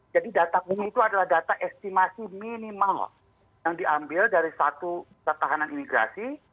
jadi data ini adalah data estimasi minimal yang diambil dari satu pusat tahanan imigrasi